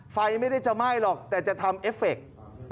ไฟไม่ได้จะไหม้หรอกแต่จะทำเอฟเฟค